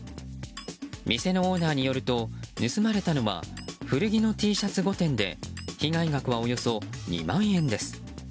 店のオーナーによると盗まれたのは古着のＴシャツ５点で被害額はおよそ２万円です。